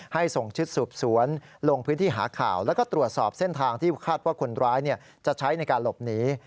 ส่งชุดสืบสวนลงพื้นที่หาข่าวแล้วก็ตรวจสอบเส้นทางที่คาดว่าคนร้ายจะใช้ในการหลบหนี